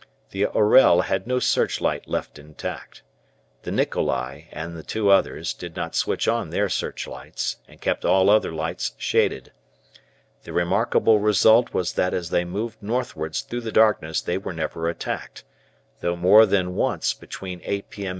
The "Orel" had no searchlight left intact. The "Nikolai" and the two others did not switch on their searchlights, and kept all other lights shaded. The remarkable result was that as they moved northwards through the darkness they were never attacked, though more than once between 8 p.m.